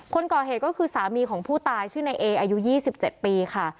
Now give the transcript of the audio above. คนก่อเหตุก็คือสามีของผู้ตายชื่อในเออายุ๒๗ปีค่ะ